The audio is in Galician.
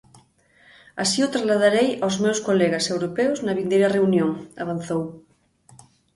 Así o trasladarei aos meus colegas europeos na vindeira reunión, avanzou.